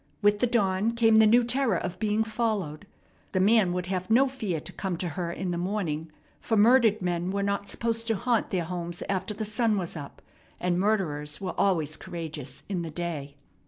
With the dawn came the new terror of being followed. The man would have no fear to come to her in the morning, for murdered men were not supposed to haunt their homes after the sun was up, and murderers were always courageous in the day.